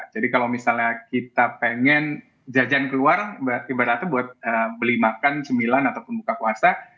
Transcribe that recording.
jadi kalau misalnya kita pengen jajan keluar ibaratnya buat beli makan sembilan ataupun buka puasa